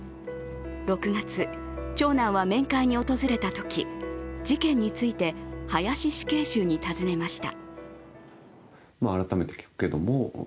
６月、長男は面会に訪れたとき事件について林死刑囚に尋ねました。